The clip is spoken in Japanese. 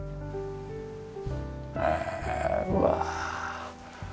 へえうわ。